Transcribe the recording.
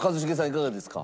いかがですか？